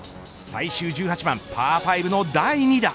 最終１８番パー５の第２打。